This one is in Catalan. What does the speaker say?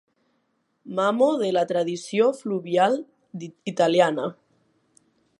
Mamo de la tradició fluvial italiana.